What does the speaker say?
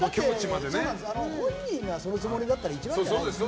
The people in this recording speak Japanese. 本人がそのつもりだったら一番いいんじゃない？